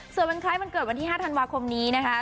เซอร์เวรคล้ายบันเกิดวันที่๕ธันวาคมนี้นะครับ